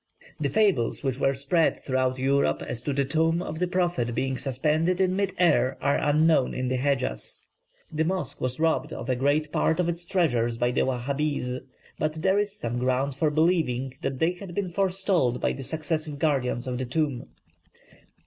The fables which were spread throughout Europe as to the tomb of the prophet being suspended in mid air, are unknown in the Hedjaz. The mosque was robbed of a great part of its treasures by the Wahabees, but there is some ground for believing that they had been forestalled by the successive guardians of the tomb.